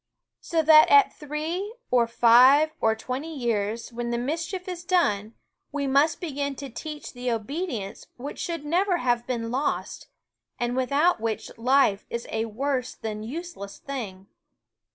So that at three or five or twenty years, when the mischief is done, we must begin to teach the obedience which should never have been lost, and without which life is a worse than use less thing.